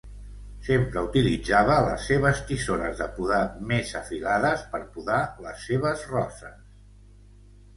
Sempre utilitzava les seves tisores de podar més afilades per podar les seves roses